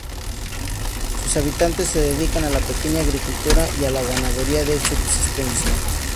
Sus habitantes se dedican a la pequeña agricultura y a la ganadería de subsistencia.